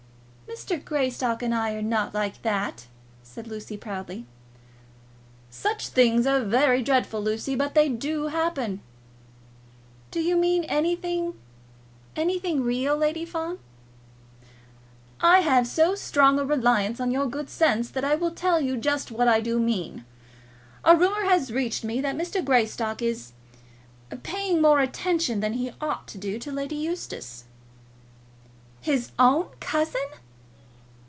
"Mr. Greystock and I are not like that," said Lucy, proudly. "Such things are very dreadful, Lucy, but they do happen." "Do you mean anything; anything real, Lady Fawn?" "I have so strong a reliance on your good sense, that I will tell you just what I do mean. A rumour has reached me that Mr. Greystock is paying more attention than he ought to do to Lady Eustace." "His own cousin!"